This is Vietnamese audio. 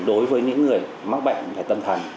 đối với những người mắc bệnh tâm thần